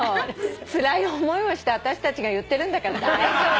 つらい思いをした私たちが言ってるんだから大丈夫。